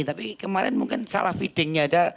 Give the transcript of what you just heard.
tapi kemarin mungkin salah feedingnya ada